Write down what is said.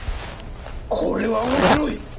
これは面白い！